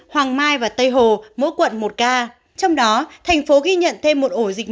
hoàng mai và tây hồ mỗi quận một ca trong đó thành phố ghi nhận thêm một ổ dịch